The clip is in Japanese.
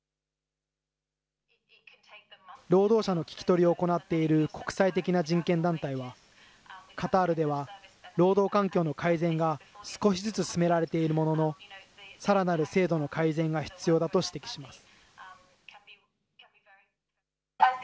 労働者の聞き取りを行っている国際的な人権団体は、カタールでは労働環境の改善が少しずつ進められているものの、さらなる制度の改善が必要だと指摘します。